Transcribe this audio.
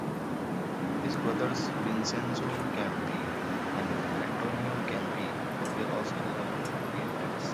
His brothers Vincenzo Campi and Antonio Campi were also renowned painters.